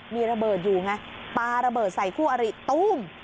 มีระเบิดอยู่ไงปลาระเบิดใส่คู่อริตู้ม